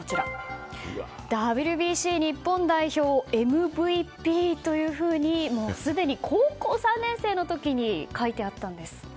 ＷＢＣ日本代表、ＭＶＰというふうにすでに高校３年生の時に書いてあったんです。